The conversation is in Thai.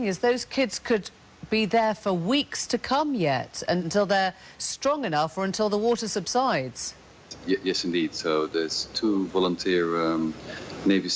นายบอกว่าพวกมันคงบรรยาสที่๗วันอีก